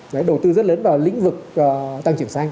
đấy đầu tư rất lớn vào lĩnh vực tăng trưởng xanh